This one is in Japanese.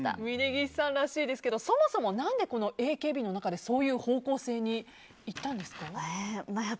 峯岸さんらしいですけどそもそも何でＡＫＢの中でそういう方向性にいったんですか。